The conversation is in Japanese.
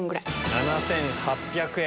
７８００円。